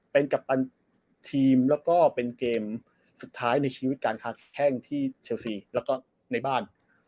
เป็นกัปตันทีมแล้วก็เป็นเกมสุดท้ายในชีวิตการค้าแข้งที่เชลซีแล้วก็ในบ้าน